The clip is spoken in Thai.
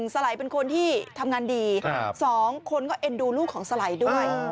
สไหลเป็นคนที่ทำงานดี๒คนก็เอ็นดูลูกของสไหลด้วย